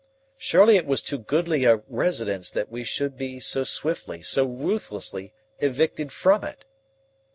Surely it was too goodly a residence that we should be so swiftly, so ruthlessly, evicted from it!